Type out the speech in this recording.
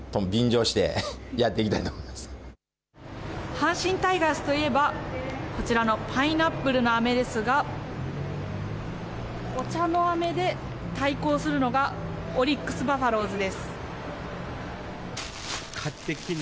阪神タイガースといえばこちらのパイナップルのあめですがお茶のあめで対抗するのがオリックスバファローズです。